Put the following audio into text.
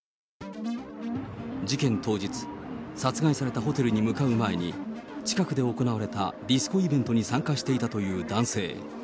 事件当日、殺害されたホテルに向かう前に、近くで行われたディスコイベントに参加していたという男性。